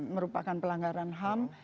merupakan pelanggaran ham